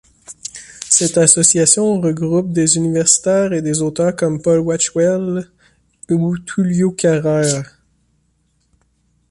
Cette association regroupe des universitaires et des auteurs comme Paul Wachtel ou Tullio Carrere.